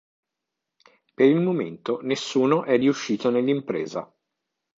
Per il momento nessuno è riuscito nell`impresa.